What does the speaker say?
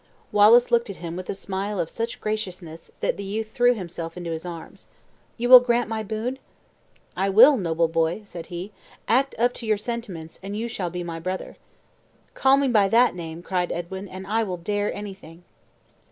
Wallace looked at him with a smile of such graciousness, that the youth threw himself into his arms. "You will grant my boon?" "I will, noble boy," said he; "act up to your sentiments, and you shall be my brother." "Call me by that name," cried Edwin, "and I will dare anything."